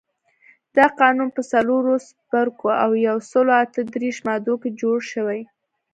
دا قانون په څلورو څپرکو او یو سلو اته دیرش مادو کې جوړ شوی.